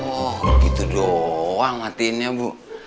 oh gitu doang hatinya bu